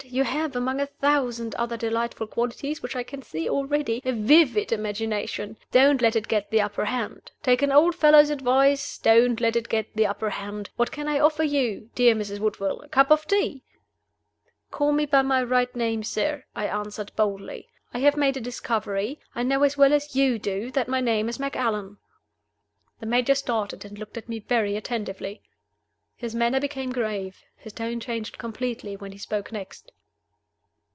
You have among a thousand other delightful qualities which I can see already a vivid imagination. Don't let it get the upper hand. Take an old fellow's advice; don't let it get the upper hand! What can I offer you, dear Mrs. Woodville? A cup of tea?" "Call me by my right name, sir," I answered, boldly. "I have made a discovery. I know as well as you do that my name is Macallan." The Major started, and looked at me very attentively. His manner became grave, his tone changed completely, when he spoke next.